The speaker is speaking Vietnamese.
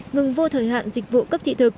ngừng vô thời hạn dịch vụ cấp trị